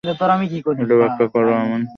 এটা ব্যাখ্যা কর আমি কেন পালিয়ে বেড়াচ্ছি।